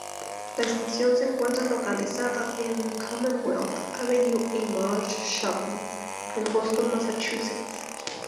La estación se encuentra localizada en Commonwealth Avenue y Marsh Chapel en Boston, Massachusetts.